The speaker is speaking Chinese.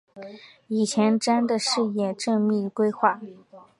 以前瞻的视野缜密规划